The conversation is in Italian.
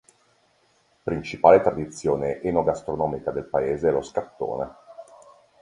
Principale tradizione enogastronomica del paese è lo "Scattone".